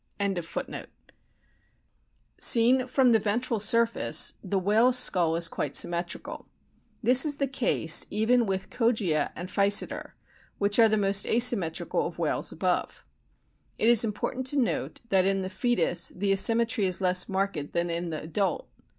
So A BOOK OF WHALES Seen from the ventral surface the whale's skull is quite symmetrical ; this is the case even with Kogia and Physeter, which are the most asymmetrical of whales above. It is important to note that in the foetus the asymmetry is less marked than in the adult.